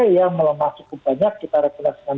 yang melemah cukup banyak kita rekomendasikan